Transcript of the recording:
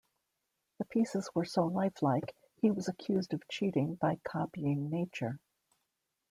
The pieces were so lifelike, he was accused of cheating by copying nature.